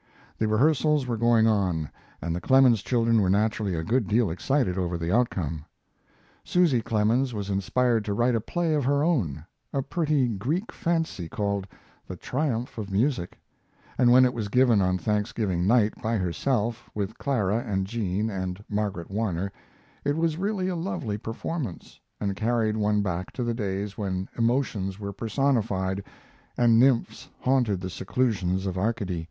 The rehearsals were going on, and the Clemens children were naturally a good deal excited over the outcome. Susy Clemens was inspired to write a play of her own a pretty Greek fancy, called "The Triumph of Music," and when it was given on Thanksgiving night, by herself, with Clara and Jean and Margaret Warner, it was really a lovely performance, and carried one back to the days when emotions were personified, and nymphs haunted the seclusions of Arcady.